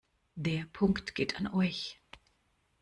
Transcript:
Der Punkt geht an euch.